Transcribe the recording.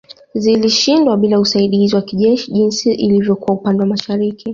Zilishindwa bila usaidizi wa kijeshi jinsi ilivyokuwa upande wa mashariki